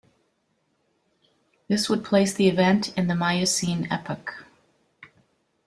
This would place the event in the Miocene epoch.